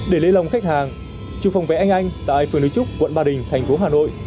để lê lòng khách hàng chụp phòng vé anh anh tại phường núi trúc quận ba đình thành phố hà nội